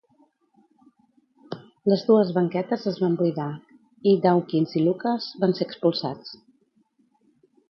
Les dues banquetes es van buidar i Dawkins i Lucas van ser expulsats.